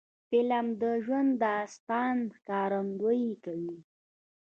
فلم د ژوند د داستان ښکارندویي کوي